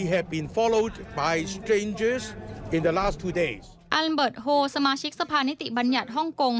อันเบิร์ตโฮสมาชิกสภานิติบัญญัติฮ่องกง